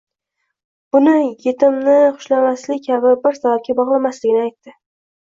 buni yetnmni xushlamaslik kabi bir sababga bog'lamasligini aytdi.